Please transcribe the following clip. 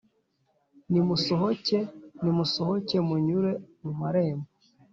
nimusohoke! nimusohoke munyure mu marembo,